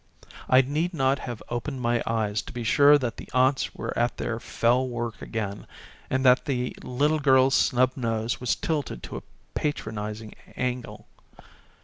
I need not have opened my eyes to be sure that the aunts were at their fell work again, and that the little girl's snub nose was tilted to a patronising angfel.